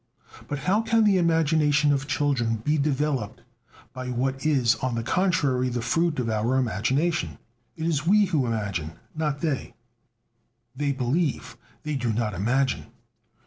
But how can the imagination of children be developed by what is, on the contrary, the fruit of our imagination? It is we who imagine, not they; they believe, they do not imagine.